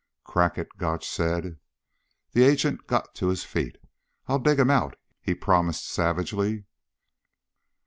"Crack it," Gotch said. The agent got to his feet "I'll dig him out," he promised savagely.